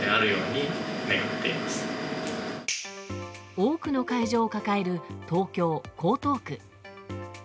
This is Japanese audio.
多くの会場を抱える東京・江東区。